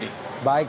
baik terima kasih